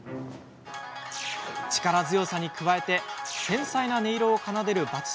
力強さに加えて繊細な音色を奏でるバチ